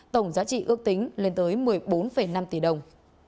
tổng giá trị ước tính lên tới một mươi bốn năm tỷ đồng